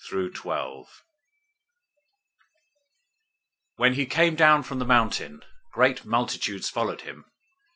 008:001 When he came down from the mountain, great multitudes followed him.